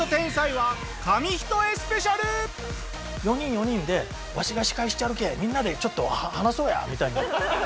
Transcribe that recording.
４人４人で「わしが司会しちゃるけぇみんなでちょっと話そうや」みたいに。